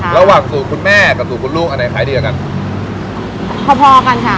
ระหว่างสู่ครูแม่กับสู่ครูลูกอะไรขายดีเหมือนกัน